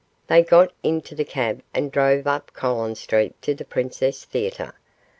They got into the cab and drove up Collins Street to the Princess Theatre.